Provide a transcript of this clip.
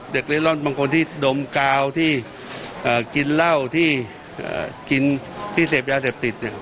เด็กเล่นร่อนบางคนที่ดมกาวที่เอ่อกินเหล้าที่เอ่อกินที่เสพยาเสพติดเนี้ย